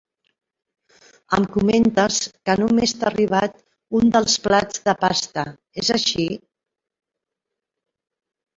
Em comentes que només t'ha arribat un dels plats de pasta, és així?